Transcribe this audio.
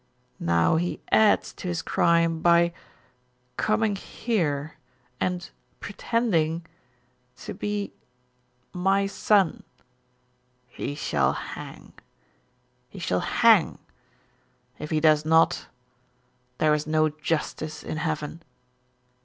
Now he adds to his crime by coming here and pretending to be my son. He shall hang. He shall hang. If he does not, there is no justice in heaven."